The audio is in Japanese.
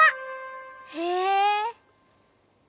へえ。